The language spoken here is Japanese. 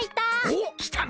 おっきたな！